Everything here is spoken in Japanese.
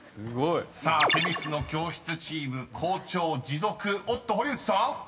［さあ女神の教室チーム好調持続おっと⁉堀内さん？］